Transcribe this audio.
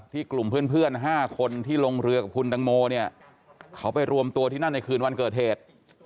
กลุ่มเพื่อน๕คนที่ลงเรือกับคุณตังโมเนี่ยเขาไปรวมตัวที่นั่นในคืนวันเกิดเหตุ